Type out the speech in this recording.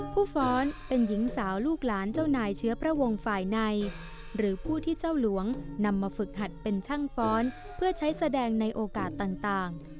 ฟ้อนเป็นหญิงสาวลูกหลานเจ้านายเชื้อพระวงฝ่ายในหรือผู้ที่เจ้าหลวงนำมาฝึกหัดเป็นช่างฟ้อนเพื่อใช้แสดงในโอกาสต่าง